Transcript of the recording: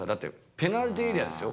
ペナルティーエリアですよ。